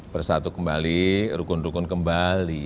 bersatu kembali rukun rukun kembali